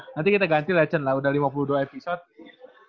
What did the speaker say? nanti kita ganti legend lah udah lima puluh dua episode